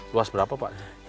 luas berapa pak